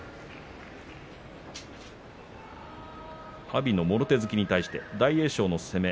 阿炎のもろ手突きに対して大栄翔の攻め。